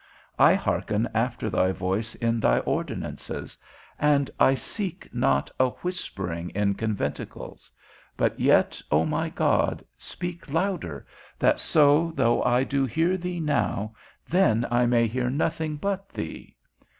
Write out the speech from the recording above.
I hearken after thy voice in thine ordinances, and I seek not a whispering in conventicles; but yet, O my God, speak louder, that so, though I do hear thee now, then I may hear nothing but thee.